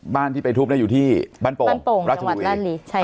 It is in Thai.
บ้านที่ไปทุบเนี่ยอยู่ที่บ้านโป่งบ้านโป่งจังหวัดด้านลีใช่ค่ะ